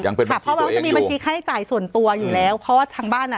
ค่ะเพราะมันก็จะมีบัญชีค่าใช้จ่ายส่วนตัวอยู่แล้วเพราะว่าทางบ้านอ่ะ